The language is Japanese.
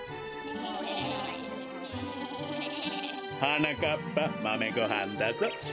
はなかっぱまめごはんだぞ。